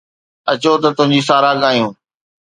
اچو ته تنهنجي ساراهه ڳايون